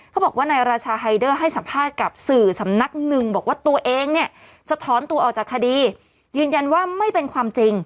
เขาบอกว่านายราชาไฮเดอร์ให้สัมภาษณ์กับสื่อสำนักหนึ่งบอกว่าตัวเองเนี่ยสะท้อนตัวออกจากคดียืนยันว่าไม่เป็นความจริง